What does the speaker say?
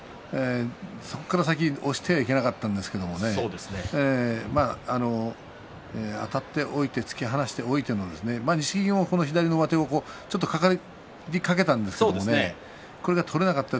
そこから先押してはいけなかったんですけどもあたっておいて突き放しておいて錦木、左の上手かかりかけたんですけどねこれが取れませんでしたね。